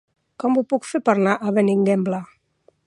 Com ho puc fer per anar a Benigembla?